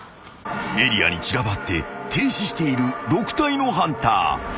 ［エリアに散らばって停止している６体のハンター］